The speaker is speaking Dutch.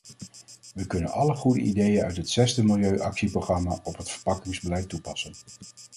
We kunnen alle goede ideeën uit het zesde milieu-actieprogramma op het verpakkingsbeleid toepassen.